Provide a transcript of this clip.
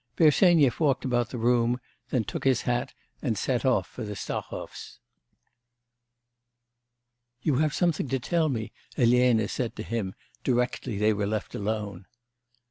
Bersenyev walked about the room, then took his hat and set off for the Stahovs. 'You have something to tell me,' Elena said to him, directly they were left alone.